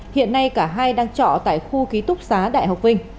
hiện nay cả hai đang trọ tại khu ký túc xá đại học vinh